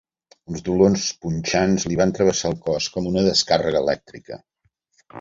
Uns dolors punxants li van travessar el cos com una descàrrega elèctrica.